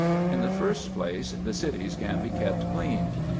In the first place the streets can be kept clean.